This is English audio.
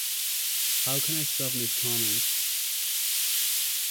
How can I submit comments?